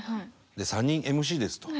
で３人ＭＣですと。